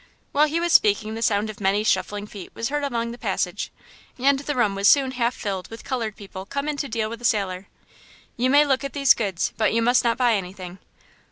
While he was speaking the sound of many shuffling feet was heard along the passage, and the room was soon half filled with colored people come in to deal with the sailor. "You may look at these goods, but you must not buy anything."